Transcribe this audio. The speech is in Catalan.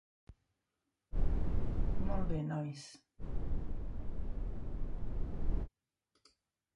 Molt bé, nois.